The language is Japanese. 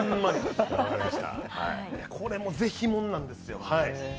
これ、ぜひもんなんですよ。